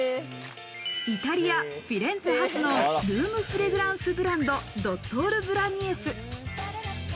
イタリア、フィレンツェ発のルームフレグランスブランド、ドットール・ヴラニエス。